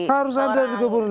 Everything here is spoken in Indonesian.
harus ada di gubernur